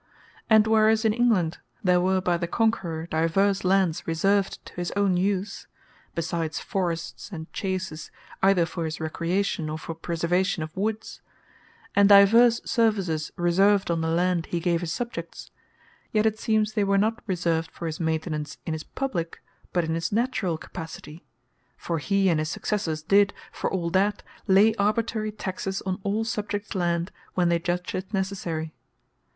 And whereas in England, there were by the Conquerour, divers Lands reserved to his own use, (besides Forrests, and Chases, either for his recreation, or for preservation of Woods,) and divers services reserved on the Land he gave his Subjects; yet it seems they were not reserved for his Maintenance in his Publique, but in his Naturall capacity: For he, and his Successors did for all that, lay Arbitrary Taxes on all Subjects land, when they judged it necessary.